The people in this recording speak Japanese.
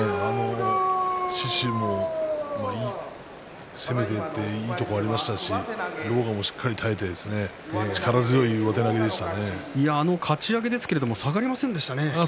獅司も攻めていっていいところがありましたし、狼雅もしっかり耐えあの、かち上げ下がりませんでしたね。